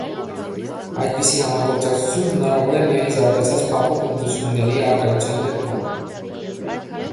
Այդպիսի համագործակցություն հնարավոր է միայն զարգացած փափուկ հմտությունների առկայության դեպքում։